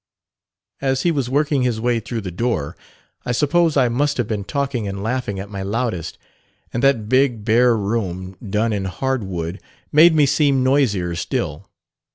As he was working his way through the door, I suppose I must have been talking and laughing at my loudest; and that big, bare room, done in hard wood, made me seem noisier still.